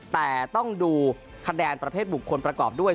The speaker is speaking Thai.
แต่ต้องดูคะแนนประเภทบุคคลประกอบด้วย